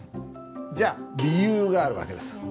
じゃあ理由がある訳です。